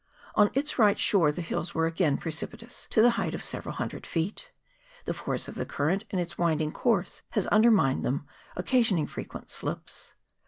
On its right shore the hills were again precipitous to the height of several hundred feet ; the force of the current in its winding course has undermined them, occasioning frequent slips.